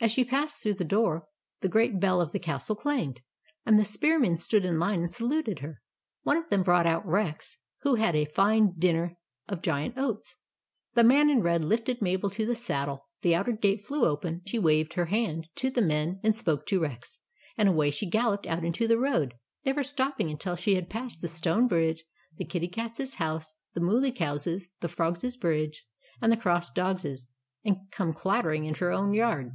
As she passed through the door, the great bell of the castle clanged, and the spearmen stood in line and saluted her. One of them brought out Rex, who had had a fine dinner of giant oats. The man in red lifted Mabel to the saddle ; the outer gate flew open ; she waved her hand to the men and spoke to Rex, and away she galloped out into the road, never stopping until she had passed the stone bridge, the Kitty Cat's house, the Mooly Cow's, the Frogs' bridge, and the Cross Dog's, and come clattering into her own yard.